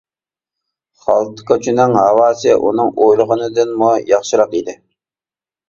خالتا كوچىنىڭ ھاۋاسى ئۇنىڭ ئويلىغىنىدىنمۇ ياخشىراق ئىدى.